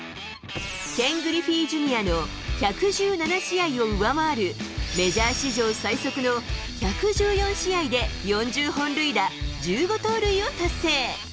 ケン・グリフィーＪｒ．の１１７試合を上回る、メジャー史上最速の１１４試合で４０本塁打１５盗塁を達成。